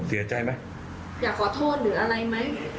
เสียใจไหม